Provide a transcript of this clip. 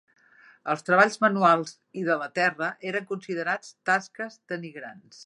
Els treballs manuals i de la terra eren considerats tasques denigrants.